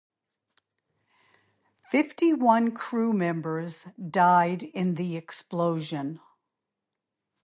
Fifty-one crew members died in the explosion.